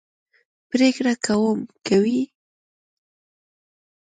پرېکړه کوم کوي.